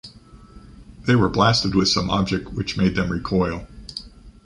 They were blasted with some object which made them recoil.